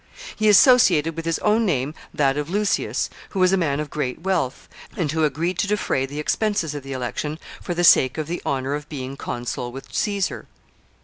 He associated with his own name that of Lucceius, who was a man of great wealth, and who agreed to defray the expenses of the election for the sake of the honor of being consul with Caesar.